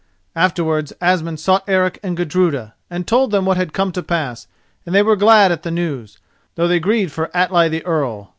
Afterwards Asmund sought Eric and Gudruda, and told them what had come to pass, and they were glad at the news, though they grieved for Atli the Earl.